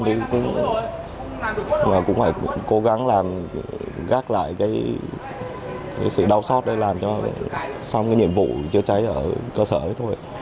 và cũng phải cố gắng làm gác lại cái sự đau xót để làm cho xong cái nhiệm vụ chữa cháy ở cơ sở ấy thôi